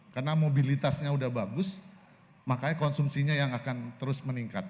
karena mobilitasnya udah bagus makanya konsumsinya yang akan terus meningkat